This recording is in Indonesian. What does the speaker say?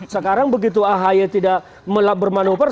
sekarang begitu ahaya tidak bermanooper